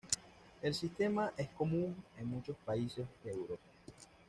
El sistema es común en muchos países de Europa.